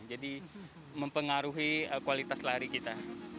jadi mempengaruhi kualitas lari kita